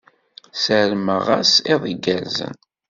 Ssarmeɣ-as iḍ igerrzen.